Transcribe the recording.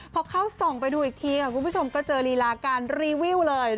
พอเข้าส่องไปดูอีกทีค่ะคุณผู้ชมก็เจอลีลาการรีวิวเลย